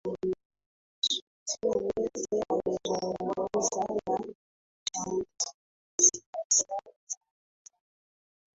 Sudi Mnette amezungumza na mchambuzi wa siasa za Tanzania